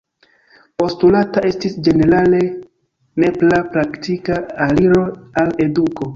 Postulata estis ĝenerale nepra praktika aliro al eduko.